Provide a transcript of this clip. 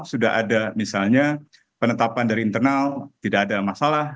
sudah ada misalnya penetapan dari internal tidak ada masalah